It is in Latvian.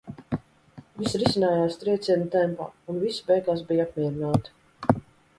Viss risinājās trieciena tempā un visi beigās bij apmierināti.